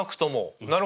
なるほど。